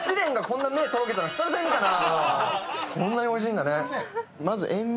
そんなにおいしいんだね。